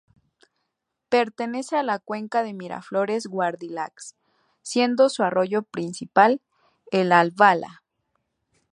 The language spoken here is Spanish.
Pertenece a la cuenca de Miraflores-Guadalix, siendo su arroyo principal el Albalá.